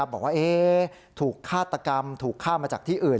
บอกว่าถูกฆาตกรรมถูกฆ่ามาจากที่อื่น